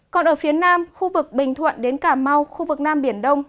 còn ở phía nam khu vực bình thuận đến cà mau khu vực nam biển đông